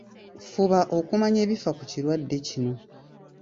Fuba okumanya ebifa ku kirwadde kino.